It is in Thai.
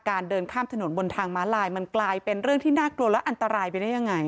เดินข้ามถนนบนทางม้าลายมันกลายเป็นเรื่องที่น่ากลัวและอันตรายไปได้ยังไง